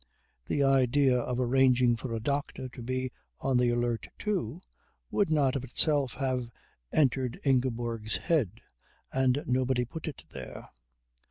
The idea of arranging for a doctor to be on the alert too would not of itself have entered Ingeborg's head, and nobody put it there.